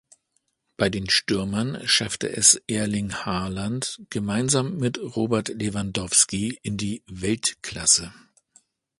Bei den Stürmern schaffte es Erling Haaland gemeinsam mit Robert Lewandowski in die "Weltklasse".